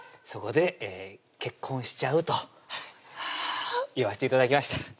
そこで「結婚しちゃう？」と言わして頂きました